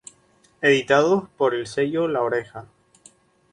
Editados por el sello La Oreja.